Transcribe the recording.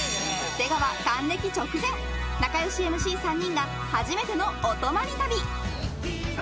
出川、還暦直前仲良しＭＣ３人が初めてのお泊り旅。